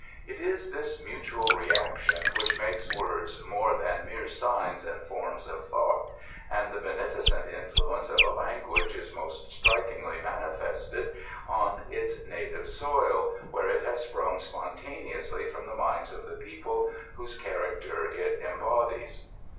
It is this mutual reaction which makes words more than mere signs and forms of thought ; and the beneficent influence of a language is most strikingly man ifested on its native soil, where it has sprung spontaneously from the minds of the people, whose character it embodies.